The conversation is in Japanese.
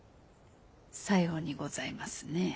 さようにございますね。